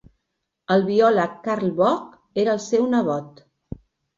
El biòleg Karl Vogt era el seu nebot.